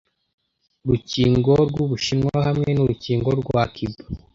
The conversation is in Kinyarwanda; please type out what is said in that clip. urukingo rw'Ubushinwa hamwe n'urukingo rwa Cuba,